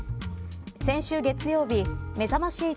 先週月曜日、めざまし８